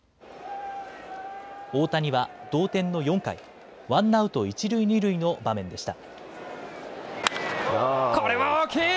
大谷は同点の４回、ワンアウト一塁二塁の場面でした。